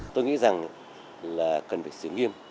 tôi nghĩ rằng là cần phải xử nghiệm